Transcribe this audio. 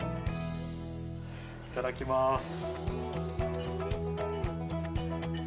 いただきます。